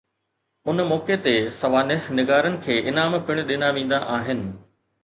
ان موقعي تي سوانح نگارن کي انعام پڻ ڏنا ويندا آهن.